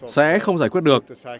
sẽ không giải quyết được